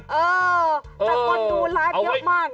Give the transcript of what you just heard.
จะมนุรัทธ์เยอะมากนะ